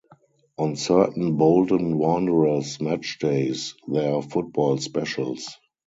On certain Bolton Wanderers matchdays there are football specials.